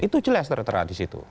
itu jelas tertera di situ